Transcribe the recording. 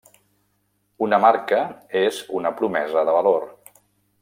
Una marca és una promesa de valor.